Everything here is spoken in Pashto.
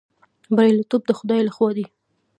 بریالیتوب د خدای لخوا دی